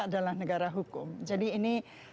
adalah negara hukum jadi ini